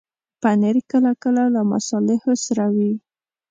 پنېر کله کله له مصالحو سره وي.